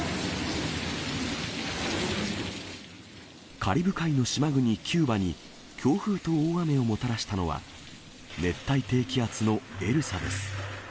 カリブ海の島国、キューバに、強風と大雨をもたらしたのは、熱帯低気圧のエルサです。